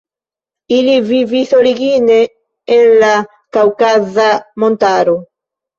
Ili vivis origine en la Kaŭkaza montaro.